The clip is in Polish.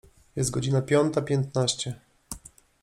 Jest godzina piąta piętnaście.